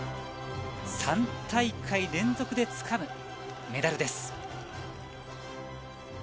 ３大会連続でつかむメダルです。